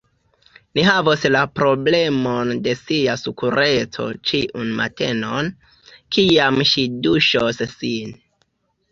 Ni havos la problemon de ŝia sekureco ĉiun matenon, kiam ŝi duŝos sin.